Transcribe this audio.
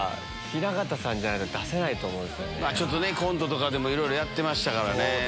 コントとかでもいろいろやってましたからね。